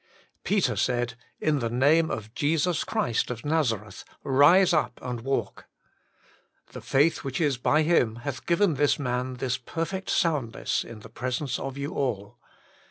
Peter said, In the name of Jesus Christ of Nazareth, rise up and walk ... The faith which is by Him hath given this man this perfect soundness in the presence of you all."